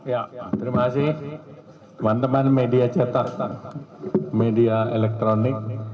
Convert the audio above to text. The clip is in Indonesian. ya terima kasih teman teman media cetak media elektronik